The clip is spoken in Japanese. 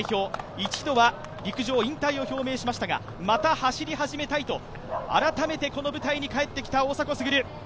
一度は陸上引退を表明しましたが、また走り始めたいと改めてこの舞台に帰ってきた大迫傑。